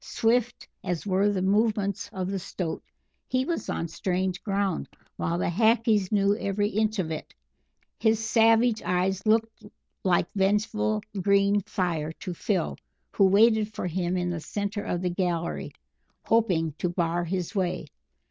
Swift as were the movements of the Stoat, he was on strange ground, while the Hackees knew every inch of it. His savage eyes looked like vengeful green fire to Phil, who waited for him in the centre of the gallery, hoping to bar his way.